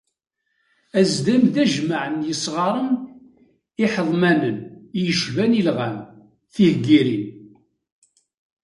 Azdam d ajmaɛ n yisɣaren iḥeḍmanen i yecban ilɣan, tiyeggirin.